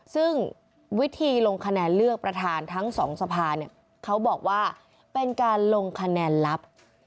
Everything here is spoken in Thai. ซึ่งวิธีลงคะแนนเลือกประธานทั้งสองสภาเนี่ยเขาบอกว่าเป็นการลงคะแนนลับ